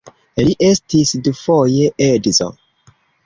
Li estis dufoje edzo.